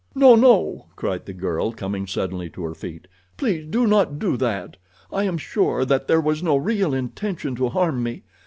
"No, no," cried the girl, coming suddenly to her feet. "Please do not do that. I am sure that there was no real intention to harm me.